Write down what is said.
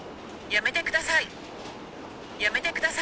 やめてください。